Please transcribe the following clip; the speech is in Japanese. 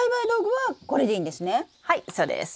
はいそうです。